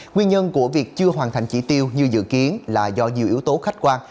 nguyên nhân của việc chưa hoàn thành chỉ tiêu như dự kiến là do nhiều yếu tố khách quan